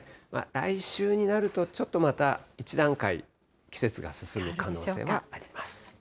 来週になると、ちょっとまた一段階、季節が進む可能性はあります。